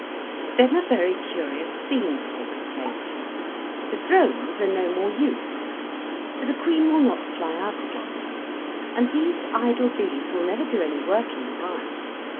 Then a very curious scene takes place. The drones are no more use, for the queen will not fly out again, and these idle bees will never do any work in the hive.